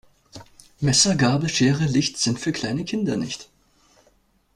Messer, Gabel, Schere, Licht, sind für kleine Kinder nicht.